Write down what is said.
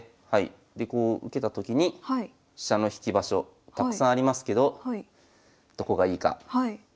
でこう受けたときに飛車の引き場所たくさんありますけどどこがいいか。